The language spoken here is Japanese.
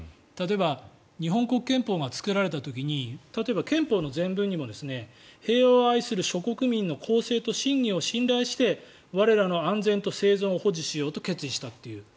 例えば日本国憲法が作られた時に例えば憲法の前文にも平和を愛する諸国民の公正と信義を信頼して、我らの安全と生存を保持しようと決意したという。